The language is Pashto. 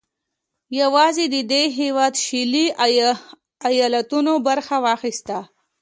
یوازې د دې هېواد شلي ایالتونو برخه واخیسته.